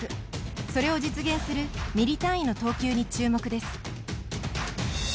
それを実現するミリ単位の投球に注目です。